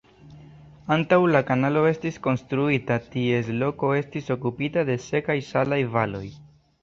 Antaŭ la kanalo estis konstruita, ties loko estis okupita de sekaj salaj valoj.